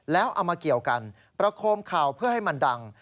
แล้วเอามาเกี่ยวกันประโคมเข่าเพื่อให้มันดัง